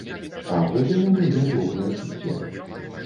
А пры тым у мяне добрае чуццё.